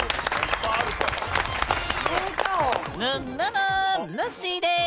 ぬっぬぬぬっしーです。